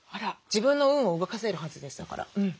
自分の運を動かせるはずですだから。